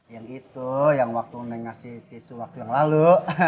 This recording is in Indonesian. yang itu yang waktu ngasih tisu waktu yang lalu